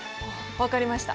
分かりました。